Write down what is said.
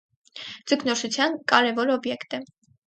Ձկնորսության կարևոր օբյեկտ է։